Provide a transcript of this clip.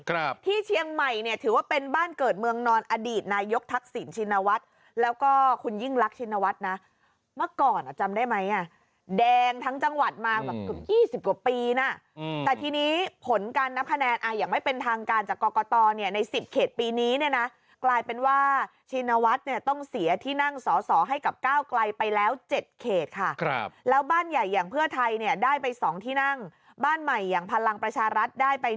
ครับที่เชียงใหม่เนี่ยถือว่าเป็นบ้านเกิดเมืองนอนอดีตนายกทักศิลป์ชินวัฒน์แล้วก็คุณยิ่งรักชินวัฒน์นะเมื่อก่อนอ่ะจำได้ไหมอ่ะแดงทั้งจังหวัดมา๒๐กว่าปีน่ะแต่ทีนี้ผลการนับคะแนนอ่ะอย่างไม่เป็นทางการจากกตเนี่ยใน๑๐เขตปีนี้เนี่ยนะกลายเป็นว่าชินวัฒน์เนี่ยต้องเสียที่นั่งสอ